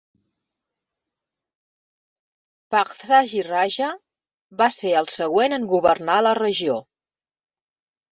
Pazhassi Raja va ser el següent en governar la regió.